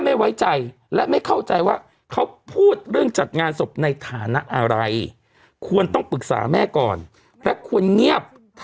ไม่ไว้ใจและไม่เข้าใจว่าเขาพูดเรื่องจัดงานศพในฐานะอะไร